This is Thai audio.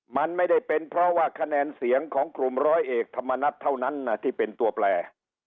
มันไม่ได้เป็นเพราะว่าคะแนนเสียงของกลุ่มร้อยเอกธรรมนัฐเท่านั้นนะที่เป็นตัวแปล